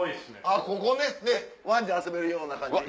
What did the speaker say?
あっここねでワンちゃん遊べるような感じ。